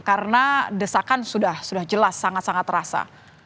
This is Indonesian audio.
karena desakan sudah jelas sangat sangat terasa